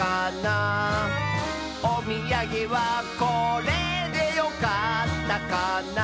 「おみやげはこれでよかったかな」